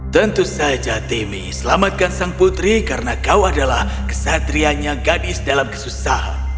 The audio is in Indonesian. tentu saja timmy selamatkan sang putri karena kau adalah kesatrianya gadis dalam kesusahan